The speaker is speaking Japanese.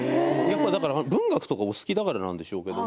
文学とかお好きだからなんでしょうけど